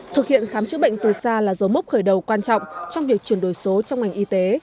thực hiện khám chữa bệnh từ xa là dấu mốc khởi đầu quan trọng trong việc chuyển đổi số trong ngành y tế